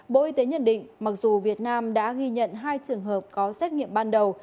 bộ y tế nhận định mặc dù việt nam đã ghi nhận hai trường hợp có xét nghiệm ban đầu